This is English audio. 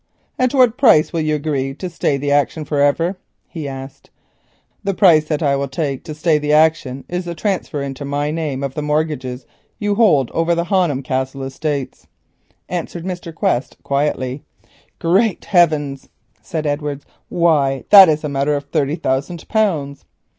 "At what price will you agree to stay the action for ever?" he asked. "The price that I will take to stay the action is the transfer into my name of the mortgages you hold over the Honham Castle Estates," answered Mr. Quest quietly. "Great heavens!" said Edward, "why that is a matter of thirty thousand pounds."